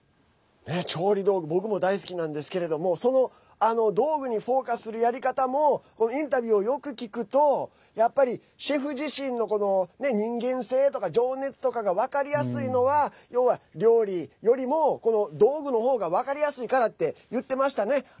調理道具僕も大好きなんですけれども道具にフォーカスするやり方もインタビューをよく聞くとやっぱりシェフ自身の人間性とか情熱とかが分かりやすいのは要は料理よりも道具のほうが分かりやすいからって言ってましたね。